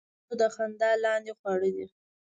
کچالو د خندا لاندې خواړه دي